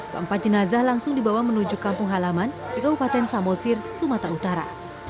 keempat jenazah langsung dibawa menuju kampung halaman di kabupaten samosir sumatera utara